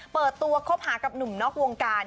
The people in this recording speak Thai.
เปิดตัวคบหากับหนุ่มนอกวงการ